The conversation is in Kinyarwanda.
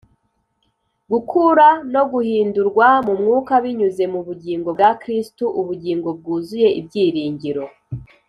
gukura, no guhindurwa mu Mwuka binyuze mu bugingo bwa KristoUbugingo Bwuzuye Ibyiringiro,